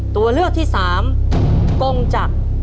ตัวเลือกที่สามกงจักร